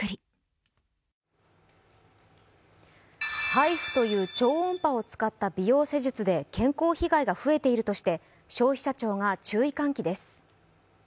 ＨＩＦＵという超音波を使った美容器具で健康被害が増えているとして消費者庁が注意喚起です。